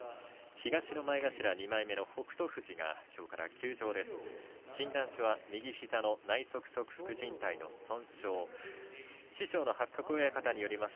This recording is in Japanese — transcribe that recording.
東の前頭２枚目の北勝富士がきょうから休場です。